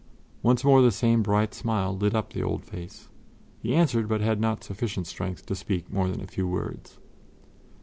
Once more the same bright smile lit up the old face; he answered, but had not sufficient strength to speak more than a few words.